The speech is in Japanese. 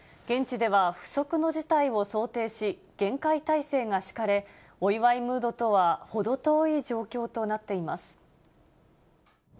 現地では、不測の事態を想定し、厳戒態勢が敷かれ、お祝いムードとは程遠い状況となっています。